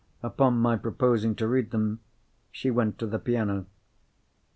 Upon my proposing to read them, she went to the piano.